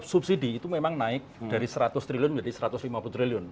subsidi itu memang naik dari seratus triliun menjadi rp satu ratus lima puluh triliun